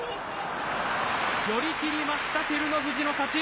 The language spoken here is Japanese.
寄り切りました、照ノ富士の勝ち。